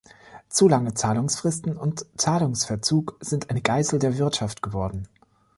Zu lange Zahlungsfristen und Zahlungsverzug sind eine Geißel der Wirtschaft geworden.